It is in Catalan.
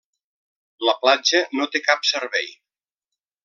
La platja no té cap servei.